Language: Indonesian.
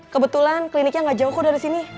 kebetulan kliniknya gak jauh kok dari sini